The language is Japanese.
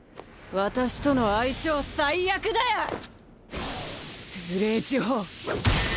私との相性最悪だよ！